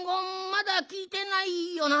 まだきいてないよな？